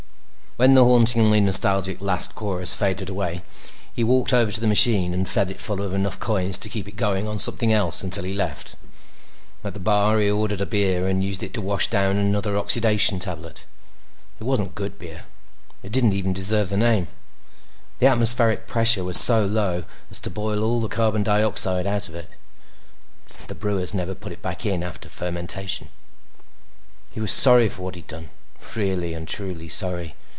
_ When the hauntingly nostalgic last chorus faded away, he walked over to the machine and fed it full of enough coins to keep it going on something else until he left. At the bar, he ordered a beer and used it to wash down another oxidation tablet. It wasn't good beer; it didn't even deserve the name. The atmospheric pressure was so low as to boil all the carbon dioxide out of it, so the brewers never put it back in after fermentation. He was sorry for what he had done—really and truly sorry.